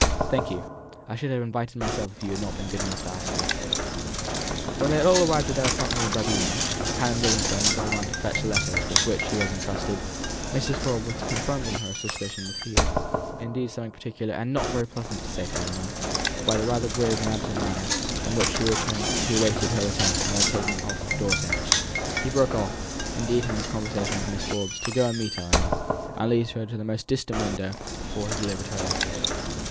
"Thank you. I should have invited myself if you had not been good enough to ask me." When they had all arrived at their apartment in the Babuino (Canon Livingstone had gone round to fetch the letters with which he was entrusted), Mrs. Forbes was confirmed in her supposition that he had something particular and not very pleasant to say to Ellinor, by the rather grave and absent manner in which he awaited her return from taking off her out of door things. He broke off, indeed, in his conversation with Mrs. Forbes to go and meet Ellinor, and to lead her into the most distant window before he delivered her letters.